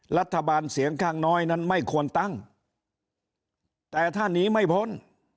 รัฐบาลเสียงข้างน้อยนั้นไม่ควรตั้งแต่ถ้าหนีไม่พ้น